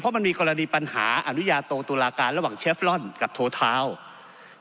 มันมีกรณีปัญหาอนุญาโตตุลาการระหว่างเชฟลอนกับโททาวน์